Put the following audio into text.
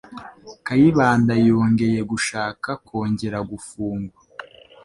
Kayibanda yongeye gushaka konjyera gafungwa.